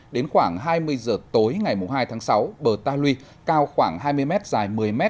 đến khoảng hai mươi giờ tối ngày hai tháng sáu bờ ta lui cao khoảng hai mươi m dài một mươi m